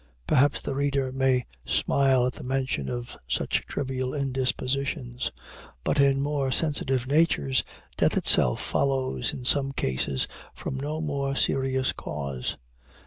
Perhaps the reader may smile at the mention of such trivial indispositions, but in more sensitive natures death itself follows in some cases from no more serious cause.